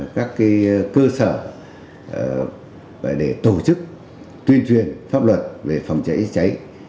các cơ sở để tổ chức tuyên truyền pháp luật về phòng cháy cháy